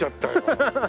ハハハハ！